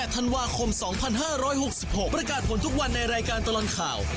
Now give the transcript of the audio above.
ธันวาคม๒๕๖๖ประกาศผลทุกวันในรายการตลอดข่าว